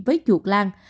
với chuột lan